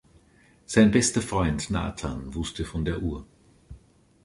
Sein bester Freund Nathan wusste von der Uhr.